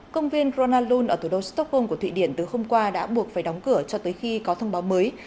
công viên pronalun ở thủ đô stockholm của thụy điển từ hôm qua đã buộc phải đóng cửa cho tới khi có thông báo mới